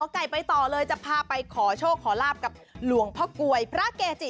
ไก่ไปต่อเลยจะพาไปขอโชคขอลาบกับหลวงพ่อกลวยพระเกจิ